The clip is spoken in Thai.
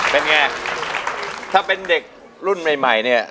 เป็นไงถ้าเป็นเด็กรุ่นใหม่เนี่ย